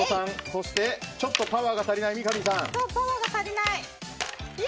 そしてちょっとパワーが足りない三上さん。